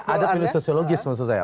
ada pilihan sosiologis maksud saya